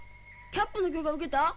キャップの許可受けた？